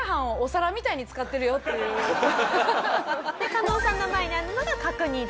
加納さんの前にあるのが角煮丼。